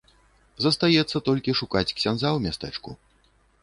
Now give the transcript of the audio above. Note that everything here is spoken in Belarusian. Застаецца толькі шукаць ксяндза ў мястэчку.